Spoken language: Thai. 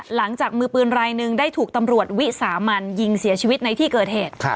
หลังจากมือปืนรายหนึ่งได้ถูกตำรวจวิสามันยิงเสียชีวิตในที่เกิดเหตุ